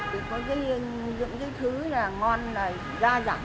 thì có những cái thứ là ngon này da dặn